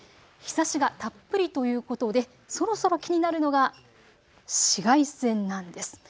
日ざしがたっぷりということでそろそろ気になるのが紫外線なんです。